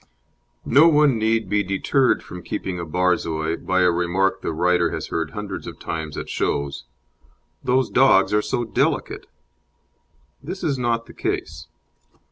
No one need be deterred from keeping a Borzoi by a remark the writer has heard hundreds of times at shows: "Those dogs are so delicate." This is not the case.